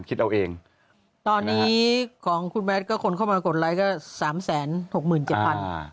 คิดเอาเองตอนนี้ของคุณแมทก็คนเข้ามากดไลค์ก็สามแสนหกหมื่นเจ็ดพัน